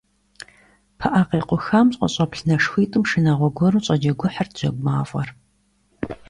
ПыӀэ къекъухам къыщӀэплъ и нэшхуитӀым шынагъуэ гуэру щӀэджэгухьырт жьэгу мафӀэр.